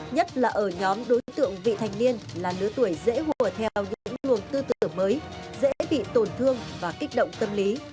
nhất là ở nhóm đối tượng vị thành niên là lứa tuổi dễ hùa theo những luồng tư tưởng mới dễ bị tổn thương và kích động tâm lý